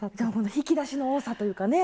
引き出しの多さというかね